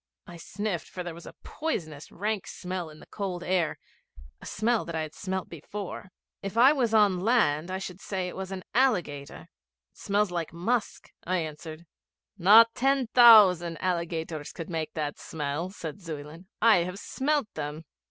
I sniffed, for there was a poisonous rank smell in the cold air a smell that I had smelt before. 'If I was on land I should say that it was an alligator. It smells like musk,' I answered. 'Not ten thousand alligators could make that smell' said Zuyland; 'I have smelt them.'